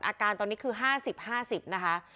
อาการตอนนี้คือ๕๐๕๐นะคะ